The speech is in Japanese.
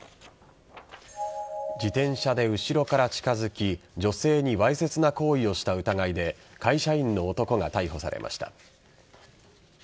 自転車で後ろから近づき女性にわいせつな行為をした疑いで会社員の男が逮捕されました。